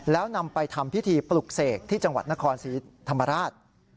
แล้วนำไปทำพิธีปลุกเสกที่จังหวัดนครศรีธรรมราช